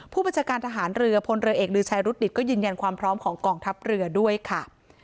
ผู้บัญชาการทหารเรือพลเรือเอกลือชัยรุดดิตก็ยืนยันความพร้อมของกองทัพเรือด้วยค่ะ